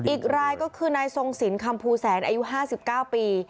อีกรายก็คือนายทรงสินคำภูแสนอายุ๕๙ปี